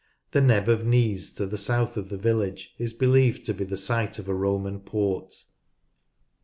The Neb of Neeze, to the south of the village, is believed to be the site of a Roman port.